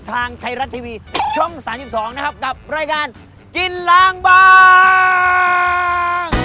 ทางไทยรัตทีวีช่องสามยี่สิบสองนะครับกับรายการกินล้างบาง